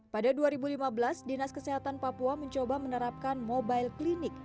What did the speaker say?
pada dua ribu lima belas dinas kesehatan papua mencoba menerapkan mobile klinik